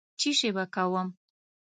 څشي به کوم.